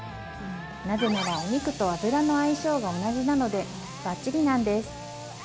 なぜならお肉と脂の相性が同じなのでバッチリなんです。